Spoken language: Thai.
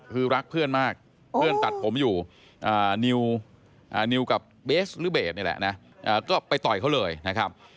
คือรักเพื่อนมากเพื่อนตัดผมอยู่นิวกับเบสซึ่งไปต่อยเขาเลยนะครับ